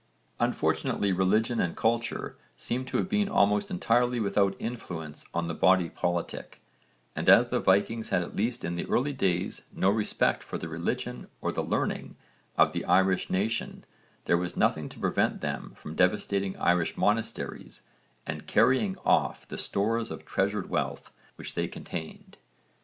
Unfortunately religion and culture seem to have been almost entirely without influence on the body politic, and as the Vikings had at least in the early days no respect for the religion or the learning of the Irish nation there was nothing to prevent them from devastating Irish monasteries and carrying off the stores of treasured wealth which they contained.